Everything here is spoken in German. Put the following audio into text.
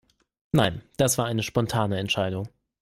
Nein, das war eine spontane Entscheidung.